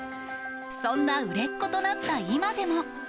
そんな売れっ子となった今でも。